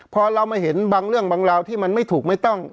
พอเรามาเห็นบางเรื่องบางราวที่มันไม่ถูกไม่ต้อง